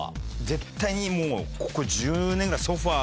絶対にもうここ１０年ぐらいソファ